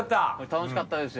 楽しかったですよ。